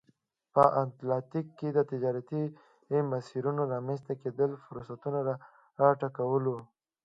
په اتلانتیک کې د تجارتي مسیرونو رامنځته کېدل فرصتونه را وټوکول.